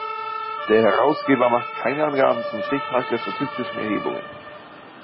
Der Herausgeber macht keine Angaben zum Stichtag der statistischen Erhebungen.